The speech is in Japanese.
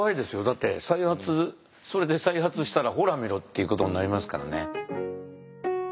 だってそれで再発したらほらみろっていうことになりますからね。